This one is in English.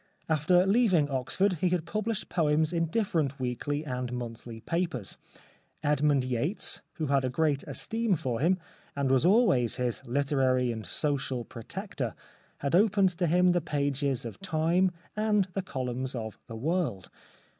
After leaving Oxford he had published poems in different weekly and monthly papers. Ed mund Yates, who had a great esteem for him, and was always his literary and social protector, had opened to him the pages of Time and the columns of The World.